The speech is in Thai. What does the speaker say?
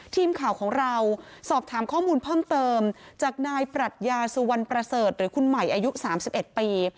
ทีมข่าวของเราสอบถามข้อมูลเพิ่มเติมจากนายปรัชญาสุวรรณประเสริฐหรือคุณใหม่อายุ๓๑ปี